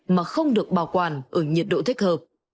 mà không được bảo quản ở nhiệt độ thích hợp